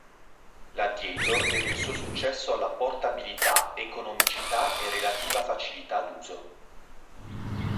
L'Addiator deve il suo successo alla portabilità, economicità e relativa facilità d'uso.